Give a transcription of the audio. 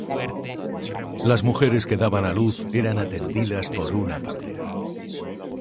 Las mujeres que daban a luz eran atendidas por una partera.